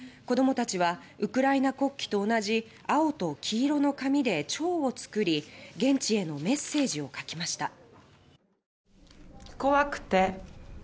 子どもたちはウクライナ国旗と同じ青と黄色の紙でチョウを作り現地へのメッセージを書きました